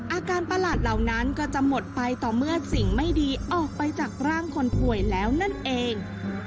ประหลาดเหล่านั้นก็จะหมดไปต่อเมื่อสิ่งไม่ดีออกไปจากร่างคนป่วยแล้วนั่นเอง